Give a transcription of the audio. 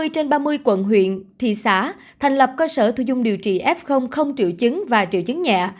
hai mươi trên ba mươi quận huyện thị xã thành lập cơ sở thu dung điều trị f không triệu chứng và triệu chứng nhẹ